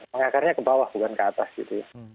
mengakarnya ke bawah bukan ke atas gitu ya